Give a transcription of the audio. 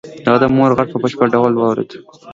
هغه د مور غږ په بشپړ ډول واورېد